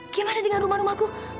gimana dengan rumah rumahku